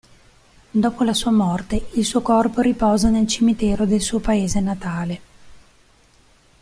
Dopo la sua morte, il suo corpo riposa nel cimitero del suo paese natale.